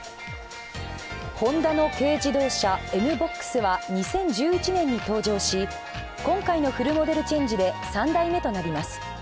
ホンダの軽自動車、Ｎ−ＢＯＸは２０１１年に登場し今回のフルモデルチェンジで３代目となります。